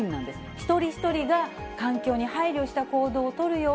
一人一人が環境に配慮した行動を取るよう、